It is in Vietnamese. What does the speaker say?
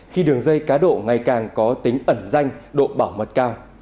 khi đường dây cá độ ngày càng có tính ẩn danh độ bảo mật cao